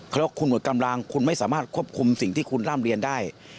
เพราะคุณหมดกำลังคุณไม่สามารถควบคุมสิ่งที่คุณร่ำเรียนได้